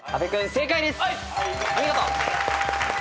正解です。